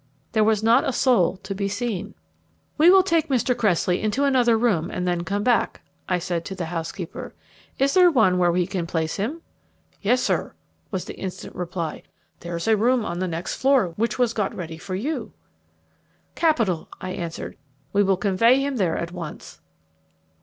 There was not a soul to be seen. "We will take Mr. Cressley into another room and then come back," I said to the housekeeper. "Is there one where we can place him?" "Yes, sir," was the instant reply; "there's a room on the next floor which was got ready for you." "Capital," I answered; "we will convey him there at once."